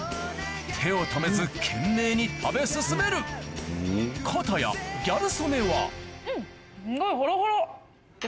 手を止めず懸命に食べ進める片やギャル曽根はうん！